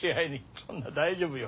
そんな大丈夫よ。